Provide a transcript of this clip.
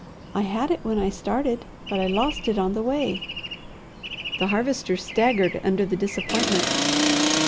"I had it when I started, but I lost it on the way." The Harvester staggered under the disappointment.